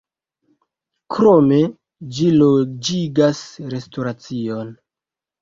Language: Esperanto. Krome ĝi loĝigas restoracion.